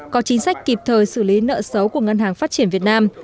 có chính sách kịp thời xử lý nợ xấu của ngân hàng phát triển việt nam